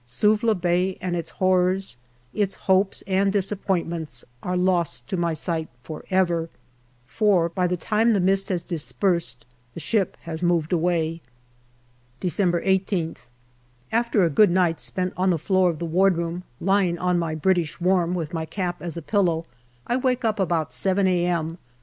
Suvla Bay and its horrors, its hopes, and disappoint ments are lost to my sight for ever for by the time the mist has dispersed the ship has moved away. December 18th. After a good night spent on the floor of the wardroom, lying on my " British warm " with my cap as a pillow, I wake up about j a.m.